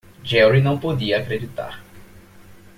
Jerry não podia acreditar.